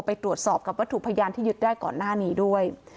ไปตรวจสอบกับวัตถุพยานที่ยึดได้ก่อนหน้านี้ด้วย